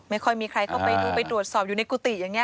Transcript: ไม่ค่อยมีใครเข้าไปดูไปตรวจสอบอยู่ในกุฏิอย่างนี้